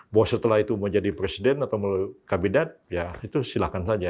bahwa setelah itu mau jadi presiden atau melalui kabinet ya itu silahkan saja